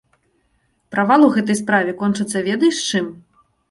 Правал у гэтай справе кончыцца ведаеш чым?